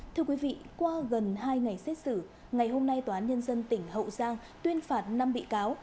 thưa quý vị qua gần hai ngày xét xử ngày hôm nay tòa án nhân dân tỉnh hậu giang tuyên phạt năm bị cáo